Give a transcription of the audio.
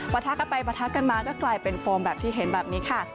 ทะกันไปปะทะกันมาก็กลายเป็นโฟมแบบที่เห็นแบบนี้ค่ะ